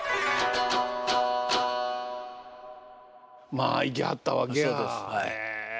まあ行きはったわけや。